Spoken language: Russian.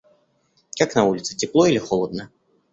Как на улице тепло или холодно?